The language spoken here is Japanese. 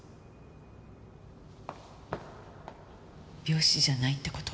病死じゃないって事？